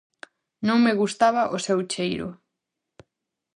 Non me gustaba o seu cheiro.